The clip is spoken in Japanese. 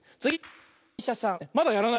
つぎ！